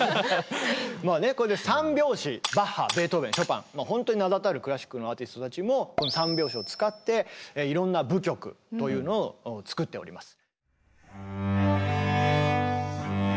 まあねこうやって３拍子バッハベートーベンショパンほんとに名だたるクラシックのアーティストたちもこの３拍子を使っていろんな舞曲というのを作っております。